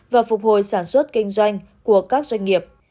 và phục hồi sản xuất kinh doanh của các doanh nghiệp